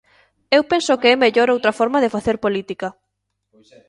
Eu penso que é mellor outra forma de facer política.